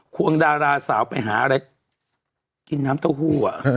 วงดาราสาวไปหาอะไรกินน้ำเต้าหู้